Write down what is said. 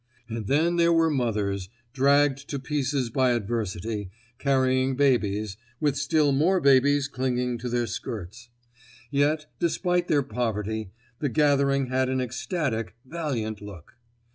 And then there were mothers, dragged to pieces by adversity, carrying babies, with still more babies clinging to their skirts. Yet, despite their poverty, the gathering had an ecstatic, valiant look.